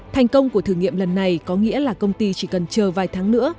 thành công của thử nghiệm lần này có nghĩa là công ty chỉ cần chờ vài tháng nữa